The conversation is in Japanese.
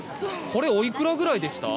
これ、おいくらぐらいでした？